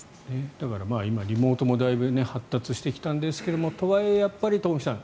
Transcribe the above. だから、今、リモートもだいぶ発達してきたんですけどとはいえ、東輝さん